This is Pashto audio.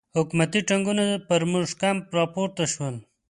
حکومتي ټانګونه پر زموږ کمپ را پورته شول.